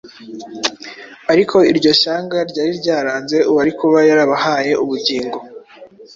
Ariko iryo shyanga ryari ryaranze uwari kuba yarabahaye ubugingo,